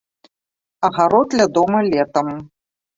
Агарод ля дома летам.